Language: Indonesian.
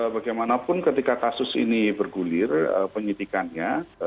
bagaimanapun ketika kasus ini bergulir penyidikannya